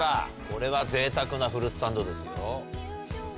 これはぜいたくなフルーツサンドですよ。